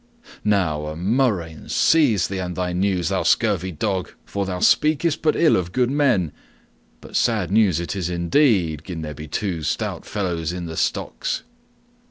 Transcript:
"Now a murrain seize thee and thy news, thou scurvy dog," quoth the Tinker, "for thou speakest but ill of good men. But sad news it is indeed, gin there be two stout fellows in the stocks."